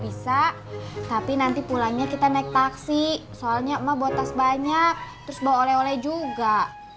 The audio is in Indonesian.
bisa tapi nanti pulangnya kita naik taksi soalnya emak buat tas banyak terus bawa oleh oleh juga